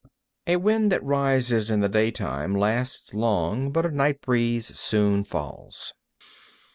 11. A wind that rises in the daytime lasts long, but a night breeze soon falls.